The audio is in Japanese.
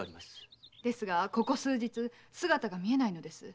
ですがここ数日姿が見えないのです。